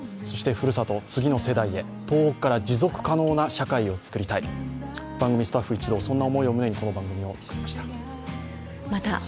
そしてふるさと、次の世代へ、東北から持続可能な社会をつくりたい、番組スタッフ一同そんな思いを胸にこの番組を取材しました。